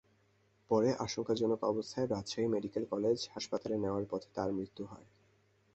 পরে আশঙ্কাজনক অবস্থায় রাজশাহী মেডিকেল কলেজ হাসপাতালে নেওয়ার পথে তাঁর মৃত্যু হয়।